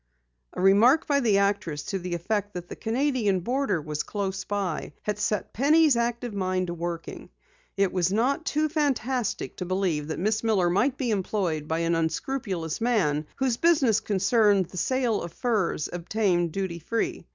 A remark by the actress to the effect that the Canadian border was close by had set Penny's active mind to working. It was not too fantastic to believe that Miss Miller might be employed by an unscrupulous man whose business concerned the sale of furs obtained duty free.